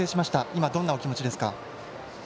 今、どんなお気持ちですか？